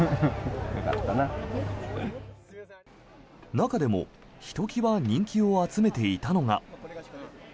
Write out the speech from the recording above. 中でもひときわ人気を集めていたのが。